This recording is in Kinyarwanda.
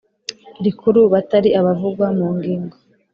Rikuru batari abavugwa mu ngingo